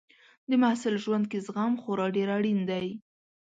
د محصل ژوند کې زغم خورا ډېر اړین دی.